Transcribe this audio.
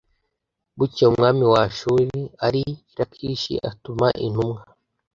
Bukeye umwami wa Ashuri ari i Lakishi atuma intumwa